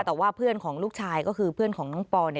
แต่ว่าเพื่อนของลูกชายก็คือเพื่อนของน้องปอ